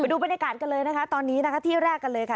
ดูบรรยากาศกันเลยนะคะตอนนี้นะคะที่แรกกันเลยค่ะ